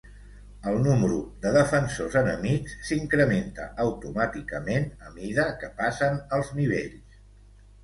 El número de defensors enemics s'incrementa automàticament a mida que passen els nivells.